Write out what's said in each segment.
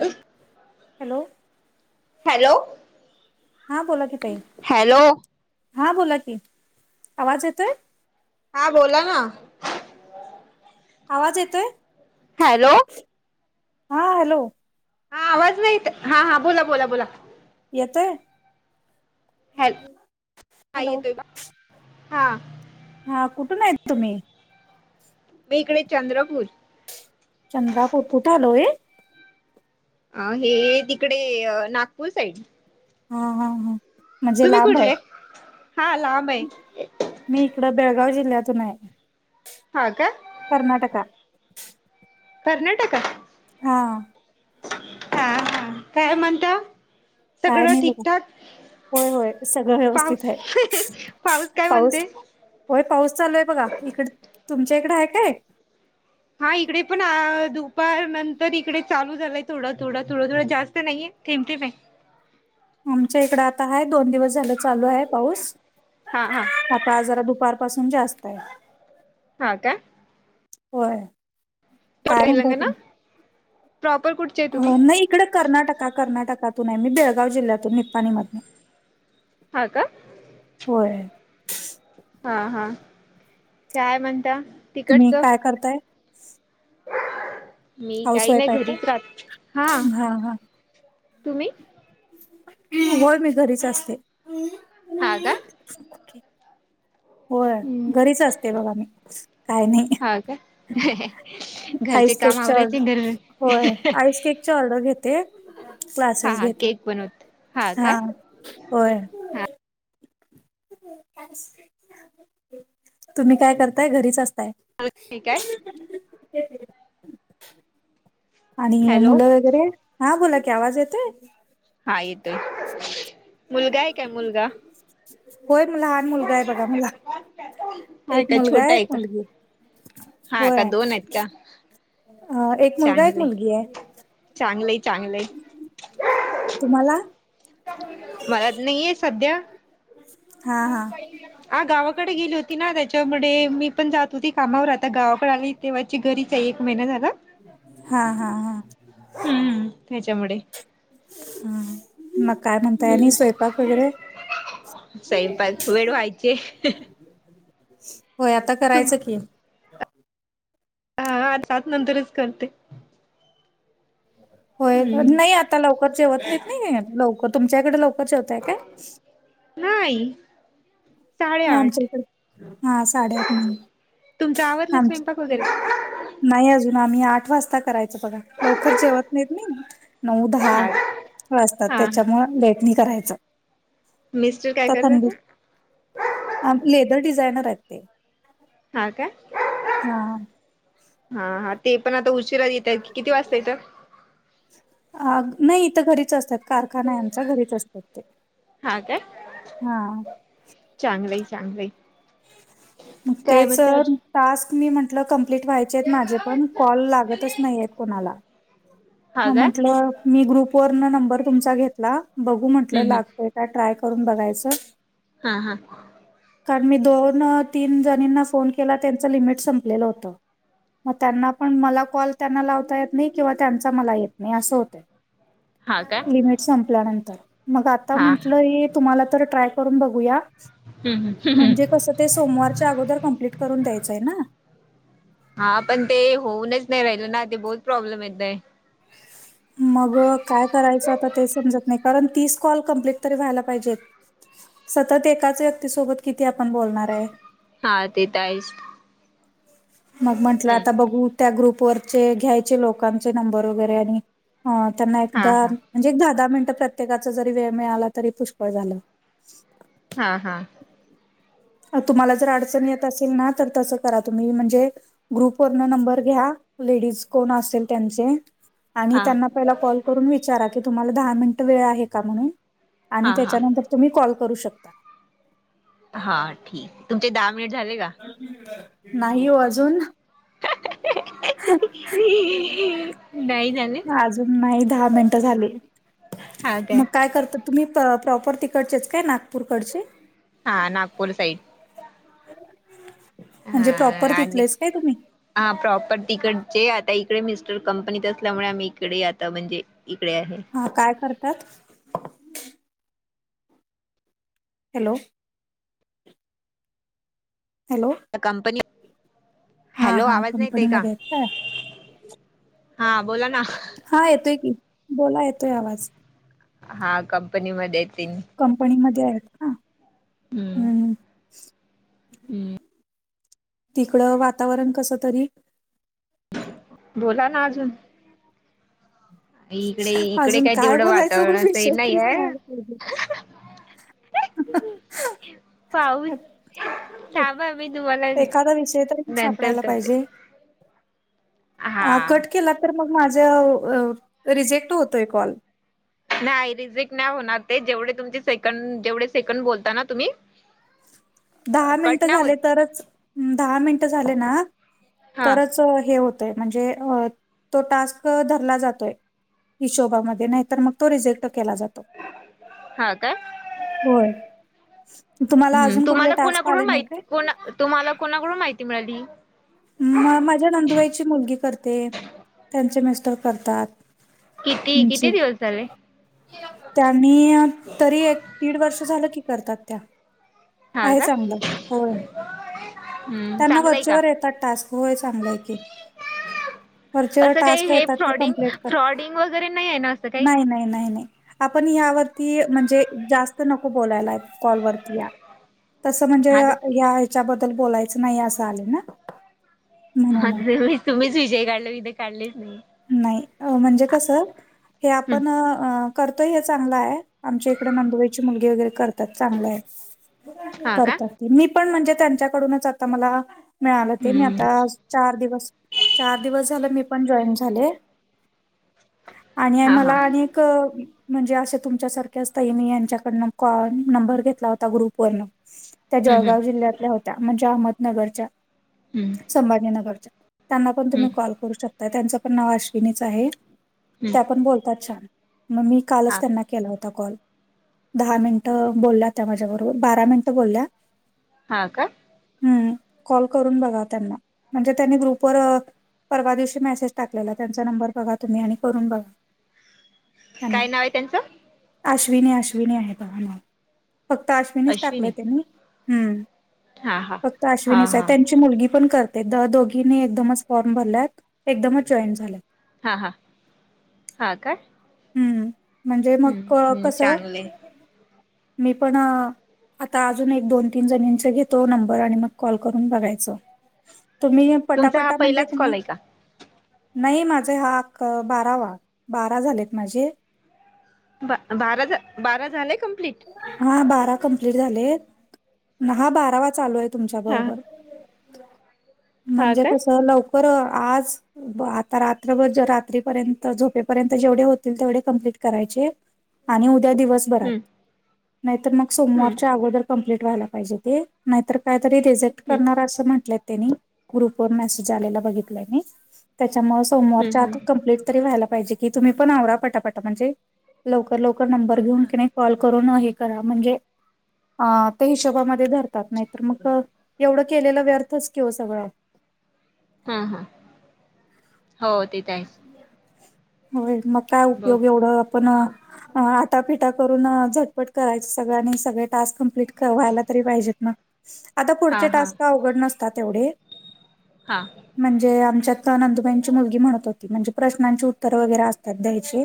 एक.... hello... hello.... हा बोला की ताई हॅलो हा बोला की आवाज येतोय... हा बोला ना.... आवाज येतोय... हॅलो.... हा हॅलो.... हा आवाज नाहीत हा हा बोला बोला बोला.... येतोय..... हॅलो हा हॅलो येतोय का? हा.... हा कुठून आहेत तुम्ही? मी इकडे चंद्रपूर.... चंद्रापूर कुठे आल हो ये.... अ हे तिकडे नागपूर साईड... हा हा हा.... म्हणजे तुम्ही लांब आहे कुठले हा लांब आहे मी इकडं बेळगाव जिल्ह्यातून आहे ह कर्नाटक कर्नाटक हा हा हा काय म्हणता काय सगळं नाही बघा ठीकठाक होय होय सगळं व्यवस्थित पाऊस आहे पाऊस काय म्हणते होय पाऊस चालू आहे बघा इकड तुमच्या इकडं आहे काय हा इकडे पण दुपार नंतर इकडे चालू झालंय थोडं थोडं थोडं थोडं जास्त नाहीये तेमती प आमच्या इकड आता आहे दोन दिवस झालं चालू आहे पाऊस हा हा आजार दुपार पाासून जास्त आहे ह का होरय ना प्रॉपर क अ नाही इकडे कर्नाटक कर्नाटकातून आहे मी बेळगाव जिल्ह्यातून निपपाणी मध ह का होय हा हा काय म्हणता तुम्ही तिकडचं काय करताय मी हाऊस काही नाही वाईफ आहे काय घरीच राह हा तुम्ही होय मी घरीच असते ह होय हम्म घरीच असते बघा मी काय नाही हा का घरचे काम आईसककच्या आवरायचे घर होय आईस केक चर्ड घेते हा क्लासेस हा घेते केक बनवत का हा होय हा तुम्ही काय करताय घरीच असताय ठीक आहे आणि हॅलो मुलं वगैरे हा बोला क आवाज येतय हा येतोय मुलगा आहे काय मुलगा होय मला लहान मुलगा आहे बघा मला त्यात एक मुलगा एक मुलगी हा होय का दोन आहेत का अ एक मुलगा एक मुलगी आहे चांगलंय चांगलंय तुम्हाला मलात नाहीये सध्या हा मग हा पहिला आ गावाकडे गेली होती ना त्याच्यामुळे मी पण जात होती कामावर आता गावाकडे आली तेव्हाची घरीचा आहे एक महिना झाला हा हा हा हम्म त्याच्यामुळे हा मग काय म्हणता आणि स्वयंपाक वगैरे साईपाय वेळ व्हायचे होय आता तुम करायचं की हा आ सात नंतरच करते होय हम्म नाही आता लवकर जेवत नाहीत नाही लवकर तुमच्याकडे लवकर जेवतय काय नाही साडेआठ आमच्या इकडे हा साडेआठ न तुमचा आववरला स्वयंपाक वगैरे नाही अजून आम्ही आठ वाजता करायच बघा लवकर जेवत नाहीत नाही नऊ दहा हा वाजतात हा त्याच्यामुळं लेटनी करायचं मिस्टर काय करतात आमचे लेदर डिझायनर आहेत ते ह का हा हा हा ते पण आता उशिराात येत आहेत की किती वाजता येतं अ नाही इथं घरीच असतात कारखानाच्या घरीच असतात ते हा हा चांगलं चांगलं मग तेच टास्क मी म्हंटलं कंप्लीट व्हायचे आहेत माझे पण कॉल लागतच नाही आहेत कोणाला हा मग काय म्हंटलं मी ग्रुप वर न नंबर तुमचा घेतला बघू म्हटलं हम्म हम्म लागतय त्या ट्राय करून बघायचं हा हा कारण मी दोन तीन जणींना फोन केला त्यांचं लिमिट संपलेलं होतं मग त्यांना पण, मला कॉल हा का लिमिट संपल्यानंतर मग आता हा म्हंटलं तुम्हाला तर ट्राय करून बघूया हम् हम म्हणजे कसं ते सोमवारच्या अगोदर, कम्प्लीट करून द्यायचंय ना हा पण ते होऊनच नाही राहिल ना ते बहुत प्रॉब्लेम येतय मग काय करायचं आता ते समजत नाही कारण तीस कॉल कमप्लीट तरी व्हायला पाहिजेत सतत एकाच व्यक्तीसोबत किती आपण बोलणार आहे हा तेेत आहेच मग म्हंटलं हम्म आता बघू त्या ग्रुपवररचे घ्यायचे लोकांचे नंबर वगैरे आणि अ त्यांना हा एकदा हा म्हणजे दहा दहा मिनिटं प्रत्येकाच जरी वेळ मिळाला तरी पुष्कळ झालं हा हा तुम्हाला जर अडचण येत असेल ना तर तसं करा तुम्ही म्हणजे ग्रुप वरन नंबर घ्या लेडीज कोण असेल त्यांचे आणि हा त्यांना पहिला कॉल करून विचारा की तुम्हाला दहा मिनिटं वेळ आहे का म्हणून आणि हा हा त्याच्यानंतर तुम्ही कॉल करू शकता हा ठीक तुमचे दहा मिनिट झाले का नाही हो अजून नाही झाले अजून नाही दहा मिनटं झाली मग काय करत तुम्ही प्रॉपर तिकडचेच काय नागपूरकडचे हा नागपूर सईड हा म्हणजे प्रॉपर आणि तिथलेच काय तुम्ही हा प्रॉपर्टीकडचे आता इकडे मिस्टर कंपनीत असल्यामुळे आम्ही इकडे आता म्हणजे इकडे आहे हा काय करतात हॅलो हॅलो कंपनी हा हॅलो हा आवाज नाहीत आहे का कंपनीमध्ये आहेत काय? हा बोला ना हा येतोय की बोला येतोय आवाज हा कंपनीमध्येध्ये त कंपनीमध्ये आहेत का हम्म तिकड वातावरण कस तरी बोला ना अजून? इकडे इकडे अजून काही काय तेवढं बोलायचं हो वातावरण असं नाही विषय? आहे ह [inaudible] पाऊस थांबा मी तुम्हाला एखादा विषय तरी नंतर करते. हा ह कट केला तर मग माझा रिजेक्ट होतोय कॉल. नाही रिझट नाही होणार ते जेवढे तुमचे सेकंड जेवढे सेकंड बोलता ना तुम्ही [inaudible] दहा कट मिनिट नाही झाले होत तरच दहा मिनिट झाले ना हा तरच हे होत. म्हणजे तो टास्क धरला जातोय. हिशोबामध्ये नाही तर मग तो रिजेक्ट केला जातो. हा काय होय तुम्हाला, हम्म अजून कुठले तुम्हाला टास्क आले कोणाकडून नाही काय? माहिती तुम्हाला कोणाकडून माहिती मिळाली? म माझ्या नंदुबाईची मुलगी करते त्यांचे मिस्टर करतात. किती किती म्हणजे दिवस झाले? त्यांनी तरी एक दीड वर्ष झालं की करतात त्या हा आहे का चांलं होय. हम्म त्यांना चांगलंय का वरचेवर येतात टास्क होय चांगलाय की. वरचेवर असं काही टास्क हे येतात ते फ्रॉडिंग कमप्लीट कर फ्रॉडिंग वगैरे नाही आहे ना असं काही नाही नाही नाही नाही. आपण यावरती म्हणजे जास्त नको बोलायला कॉलवररती या तस म्हणजे हा हच्याबद्ल बोलायचं नाही असं आ ना? म्हणून ह म्हण- तुम्हीच विजय काढल कथे काढलेच नाही. नाही म्हणजे कस हे हम्म आपण करत हे चांगलं आहे आमच्या इकडे नंदुबाईची मुलगी वगैरे करत चांगलं आहे हा का करतात मी पण म्हणजे त्यांच्याकडूनच आता मला मिळालं ते मी हम्म आता चार दिवस चार दिवस झालं मी पण जॉईन झाले. आणि हा मला हा आणिक म्हणजे असे तुमच्यासारखे असताई मी यांच्याकडन कॉल नंबर घेतला होता ग्रुपवरन त्या हम्म हम्म जळगाव जिल्ह्यातल्या होत्या म्हणजे अहमदनगरच्या, हम्म संभाजीनगरच्या त्यांना पण हम्म तुम्ही कॉल करू शकता त्यांचं पण नाव अश्विनीच आहे हम्म त्या पण बोलतात छान. मग मी कालच हा त्यांना ला होता कॉल दहा मिनिट बोलल्या त्या माझ्याबरोबर बारा मिनिट बोलल्या हा का? ह् कॉल करून बघा त्यांना म्हणजे त्यांनी ग्रुपवर परवा दिवशी मेसेज टाकलेला त्यांचा नंबर बघा तुम्ही आणि करून बघा. काय त्यांना नाव आहे त्यांचं? अश्विनी अश्विनी आहे बघ म फक्त अश्विनीच टाकलंय अश्विनी त्यांनी हम्म. हा हा फक्त हा अश्विनीच आहे हा त्यांची मुलगी पण करते. ते द दोघीनी एकदमच फॉर्म भरलेत एकदमच जॉईंट झालेत. हा हा हा काय? हम्म म्हणजे मग हम्म कसं चांगले मी पण आता अजून एक दोन तीन जणीचा घेतो नंबर आणि मग कॉल करून बघायच. तुम्ही तुमचा हा पटापटा म्हणजेच पहिलाच कॉल नाही. आहे का नाही माझे हाक बारावा बारा झालेत माझे. बारा, बारा झालंय कम्प्लीट. हा बारा कमप्लीट झालेय हा बारावा चालू आहे तुमच्या हा बरोबर. हा म्हणजे का कसं लवकर ब आज आता रात्रभर रात्रीपर्यंत झोपेपर्यंत जेवढे होते तेवढे कंप्लीट करायचे आणि उद्या दिवसभरात हम्म नाहीतर मग हम्म सोमवारच्या अगोदर कंप्लीट वयला पाहिजे ते नाहीर कायतरी रिजेक्ट हम्म करणार असं म्हंटलं त्यांनी ग्रुप वर मेसेज आलेला बघितलंने. त्याच्यामुळेळ सोमवारच्या हम्म आत हम्म कम्प्लीट तरी व्हायला पाहिजे की तुम्ही पण आवरा पटापटा म्हणजे लवकर लवकर नंबर घेऊन तिने कॉल करून हे करा म्हणजे अ ते हिशोबामध्ये धरतात नाही तर मग एवढं केलेलं व्यर्थच कि हो सगळं हा हा हो तेथ आहेच होय मग काय बघ उपयोग एवढं आपण आटाफिटा करून झटपट करायच सगळ आणि सगळे टास्क कं्प्लीट व्हायला तरी पाहिजेत आता हा पुढचे हा टास्क अवघड नसतात तेवढे हा म्हणजे आमच्यात नंदुबाईंची मुलगी म्हण म्हणजे प्रश्नांचे उत्तर वगैरे असतात द्यायचे.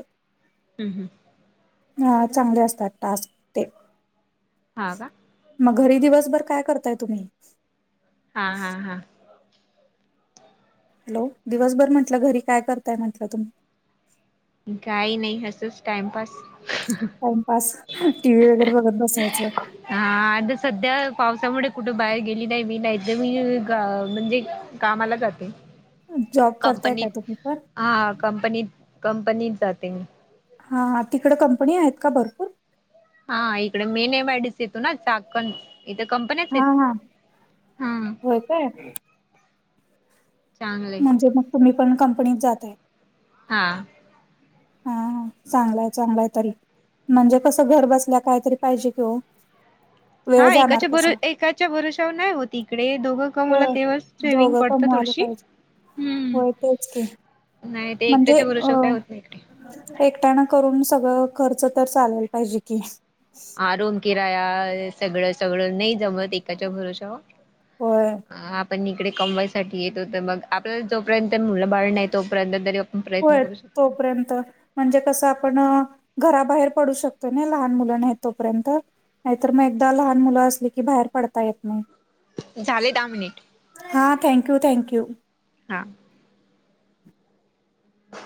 हम् हम् अ चांगले असतात टास्क ते हा का. मग घरी दिवसभर काय करताय तुम्ही? हा हा हा हॅलो दिवसभर म्हंटलं घरी काय करताय म्हटलं तुम्ही काही नाही असच टाइमपास टाइमपास टी व्ही वगैरे बघत बसायचं. हा आता सध्या पावसामुळे कुठं बाहेर गेली नाही मी नाहीत मी म्हणजे कामाला जाते. जॉब करताय कंपनीत काय तुम्हीपण हा कंपनीत कंपनीत जाते मी. हा तिकडे कंपनी आहेत का भरपूर हा इकडे main M I D C येतो ना चाकण इथ कंपन्याच हा हेत हा हा होय काय चांगलंय म्हणजे मग तुम्ही पण कंपनीत जातय. हा. हा चांगलाय चांगलाय तरी म्हणजे कस घर बसल्या कायतरी पाहिजे कि हो वेळ जाणार कसा? च्या भरशवर नाही होती इकडे दोघं का मला होय तेव्हा स्विमिंग दोघं पडतं कमवायला थोडीशी पाहिजे हम् होय तेच की नाही ते एकट्याच्या भरोसा काय होत नाही इकडे एकट्याने करून सगळं खर्च तर चालेल पाहिजे कि आ रूम किराया सगळ सगळं नाही जमत एकाच्या भरोश्यावर होय. आपण इकडे कमवायसाठी येतो तर मग आपल्या जोपर्यंत मुलं बाळ नाही तोपर्यंत तरी आपण प्रयत्न करू शकतो. पर्यंत म्हणजे कसं आपण घराबाहेर पडू शकतो ना लहान मुलां आहेत तोपर्यंत नाहीतर मग एकदा लहान मुलं असली की बाहेर पडता येत नाही. झाले दहा मिनिट. हा थँक्यू थँक्यू हा. ह